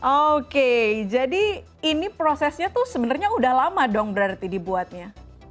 oke jadi ini prosesnya tuh sebenarnya udah lama dong berarti dibuatnya